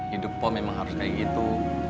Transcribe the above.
hidup pun memang harus kayak gitu